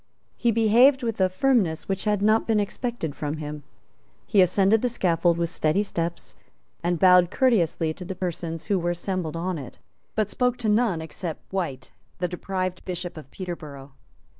He behaved with a firmness which had not been expected from him. He ascended the scaffold with steady steps, and bowed courteously to the persons who were assembled on it, but spoke to none, except White, the deprived Bishop of Peterborough.